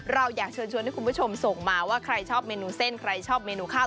เราอยากเชิญชวนให้คุณผู้ชมส่งมาว่าใครชอบเมนูเส้นใครชอบเมนูข้าว